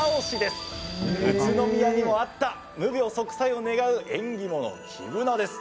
宇都宮にもあった無病息災を願う縁起物黄ぶなです。